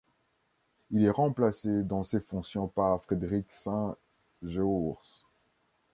Il est remplacé dans ses fonctions par Frédéric Saint-Geours.